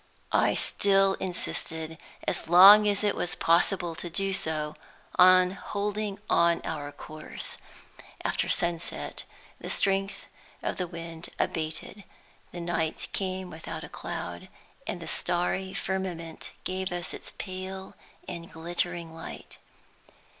I still insisted, as long as it was possible to do so, on holding on our course. After sunset, the strength of the wind abated. The night came without a cloud, and the starry firmament gave us its pale and glittering light.